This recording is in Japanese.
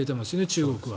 中国は。